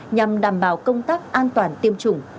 nhằm đảm bảo công tác an toàn tiêm chủng